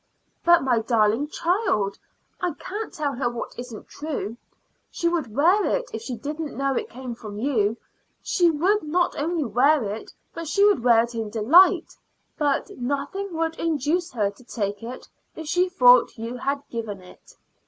"But, my darling child, I can't tell her what isn't true. She would wear it if she didn't know it came from you. She would not only wear it, but she would delight in it; but nothing would induce her to take it if she thought you had given it."